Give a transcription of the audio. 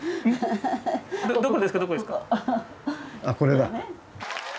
あっこれだ。